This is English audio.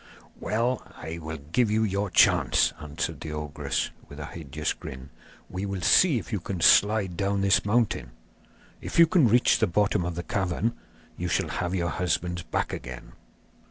'Well, I will give you your chance,' answered the ogress, with a hideous grin; 'we will see if you can slide down this mountain. If you can reach the bottom of the cavern, you shall have your husbands back again.